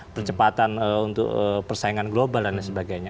percepatan untuk persaingan global dan lain sebagainya